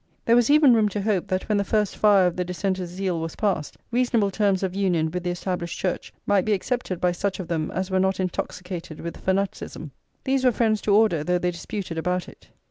There was even room to hope that when the first fire of the Dissenters' zeal was passed, reasonable terms of union with the Established Church might be accepted by such of them as were not intoxicated with fanaticism. These were friends to order, though they disputed about it.